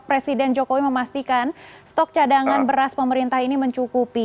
presiden jokowi memastikan stok cadangan beras pemerintah ini mencukupi